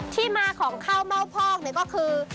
ที่มาของข้าวเม่าพอกก็คือ